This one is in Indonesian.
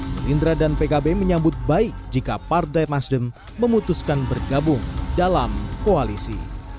gerindra dan pkb menyambut baik jika partai nasdem memutuskan bergabung dalam koalisi